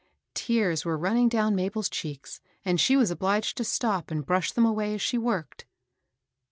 Tears were running down Mabel's cheeks, and she was obliged to stop and brush them away as she worked.